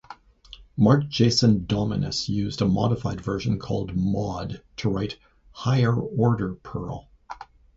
Mark Jason Dominus used a modified version called mod to write Higher-Order Perl.